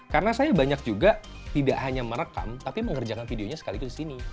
karena saya banyak juga tidak hanya merekam tapi mengerjakan videonya sekaligus disini